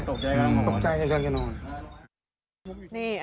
ตกใจกันกันนอน